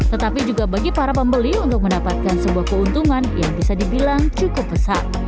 tetapi juga bagi para pembeli untuk mendapatkan sebuah keuntungan yang bisa dibilang cukup besar